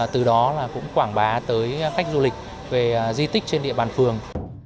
từ đó cũng quảng bá tới khách du lịch về di tích trên địa bàn phường